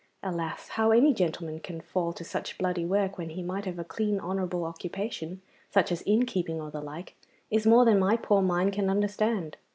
Alas! how any gentleman can fall to such bloody work when he might have a clean honourable occupation, such as innkeeping or the like, is more than my poor mind can understand.